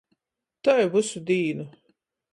Tai vysu dīnu.